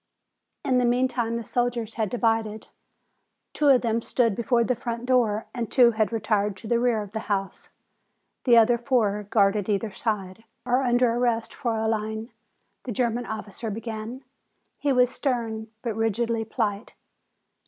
In the meantime the soldiers had divided: two of them stood before the front door and two had retired to the rear of the house. The other four guarded either side. "You are under arrest, Fraulein," the German officer began. He was stern, but rigidly polite.